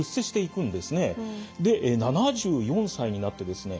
で７４歳になってですね